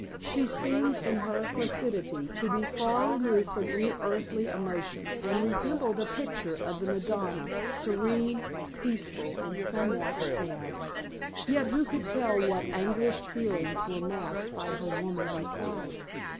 She seemed in her placidity to be far removed from any earthly emotion, and resembled a picture of the Madonna, serene, peaceful, and somewhat sad. Yet who could tell what anguished feelings were masked by her womanly pride?